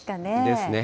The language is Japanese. ですね。